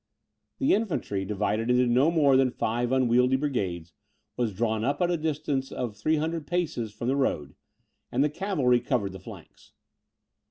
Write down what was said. The infantry, divided into no more than five unwieldy brigades, was drawn up at the distance of 300 paces from the road, and the cavalry covered the flanks.